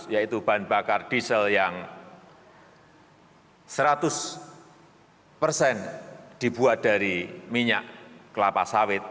yaitu bahan bakar diesel yang seratus persen dibuat dari minyak kelapa sawit